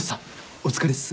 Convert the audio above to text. お疲れっす。